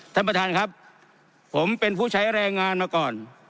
ท่านประธานครับผมเป็นผู้ใช้แรงงานมาก่อน